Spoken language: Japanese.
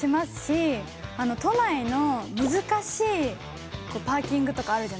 都内の難しいパーキングとかあるじゃないですか。